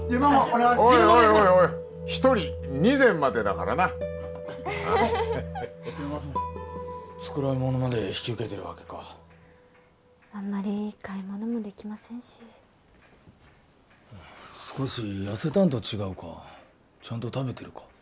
おいおい一人２膳までだからなはいすいません繕い物まで引き受けてるわけかあんまり買い物もできませんし少し痩せたんと違うかちゃんと食べてるか？